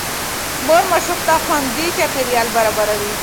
مور ماشوم ته خوندي چاپېريال برابروي.